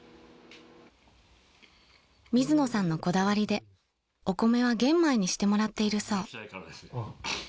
［水野さんのこだわりでお米は玄米にしてもらっているそう］